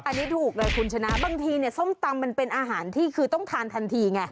อันนี้ถูกเลยคุณชนะบางทีเนี่ยส้มตำมันเป็นอาหารที่คือต้องทานทันทีไง